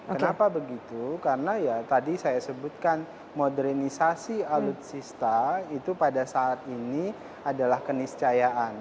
kenapa begitu karena ya tadi saya sebutkan modernisasi alutsista itu pada saat ini adalah keniscayaan